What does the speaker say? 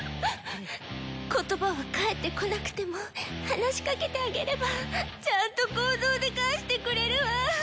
言葉は返ってこなくても話しかけてあげればちゃんと行動で返してくれるわ。